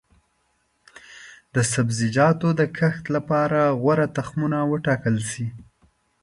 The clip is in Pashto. د سبزیجاتو د کښت لپاره غوره تخمونه وټاکل شي.